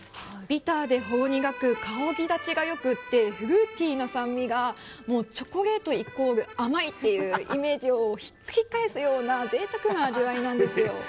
ビターでほろ苦く香り立ちが良くてフルーティーな酸味がチョコレートイコール甘いというイメージをひっくり返すようなぜいたくな味わいなんですよ。